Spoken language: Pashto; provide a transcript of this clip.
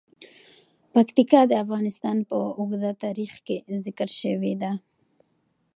پکتیکا د افغانستان په اوږده تاریخ کې ذکر شوی دی.